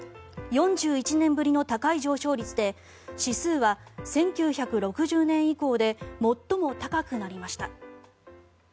４１年ぶりの高い上昇率で指数は１９６０年以降で最も高くなりました。